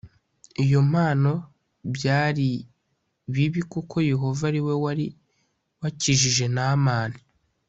iyo mpano byari bibi kuko Yehova ari we wari wakijije Naamani